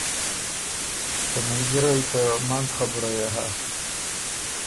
ته مِلګِرئ ته منځ خبُره يې هۀ۔